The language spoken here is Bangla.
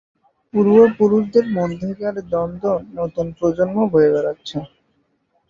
পূর্বপুরুষদের মধ্যেকার দ্বন্দ্ব নতুন প্রজন্ম বয়ে বেরাচ্ছে।